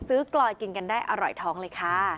กลอยกินกันได้อร่อยท้องเลยค่ะ